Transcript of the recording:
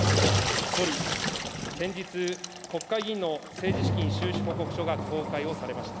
総理、先日、国会議員の政治資金収支報告書が公開をされました。